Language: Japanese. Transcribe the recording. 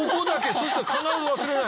そうしたら必ず忘れない。